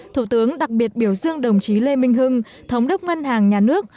thủ tướng đặc biệt biểu dương đồng chí lê minh hưng thống đốc ngân hàng nhà nước